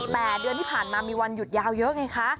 แต่เดือนที่ผ่านมามีวันหยุดยาวเยอะไงคะ